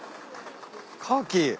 カキ。